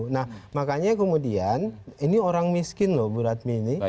nah makanya kemudian ini orang miskin loh bu radmi ini